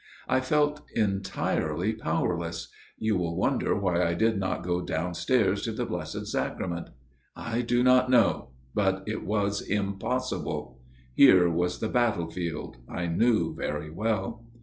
I felt entirely power less. You will wonder why I did not go down stairs to the Blessed Sacrament I do not know ; but it was impossible. Here was the battlefield, I knew very well.